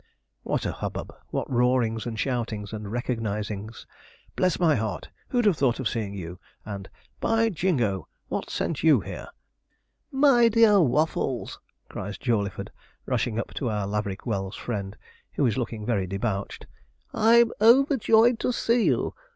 What a hubbub! what roarings, and shoutings, and recognizings! 'Bless my heart! who'd have thought of seeing you?' and, 'By jingo! what's sent you here?' 'My dear Waffles,' cries Jawleyford, rushing up to our Laverick Wells friend (who is looking very debauched), 'I'm overjoyed to see you.